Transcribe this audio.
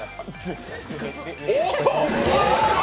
おっと！